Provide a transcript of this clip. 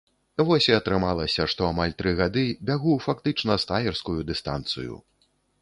Вось і атрымалася, што амаль тры гады бягу фактычна стаерскую дыстанцыю.